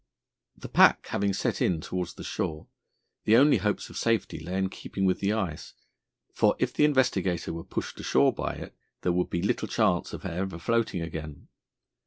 The pack having set in towards the shore, the only hopes of safety lay in keeping with the ice, for, if the Investigator were pushed ashore by it, there would be little chance of her ever floating again.